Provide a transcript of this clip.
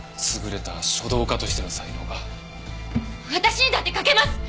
私にだって書けます！